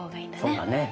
そうだね。